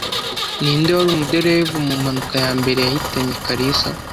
Ninde wari umuderevu mu mpanuka ya mbere yahitanye Kalisa